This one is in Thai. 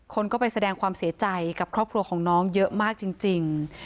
คนก็ไปแสดงความเสียใจกับครอบครัวของน้องเยอะมากจริง